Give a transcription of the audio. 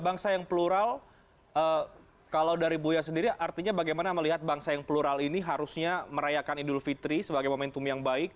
bangsa yang plural kalau dari buya sendiri artinya bagaimana melihat bangsa yang plural ini harusnya merayakan idul fitri sebagai momentum yang baik